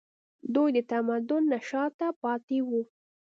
دوی د تمدن نه شاته پاتې وو